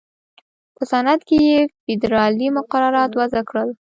په صنعت کې یې فېدرالي مقررات وضع کړل.